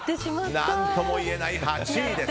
何とも言えない８位です。